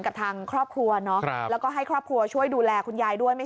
กับทางครอบครัวเนาะแล้วก็ให้ครอบครัวช่วยดูแลคุณยายด้วย